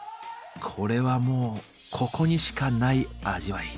これはもうここにしかない味わい。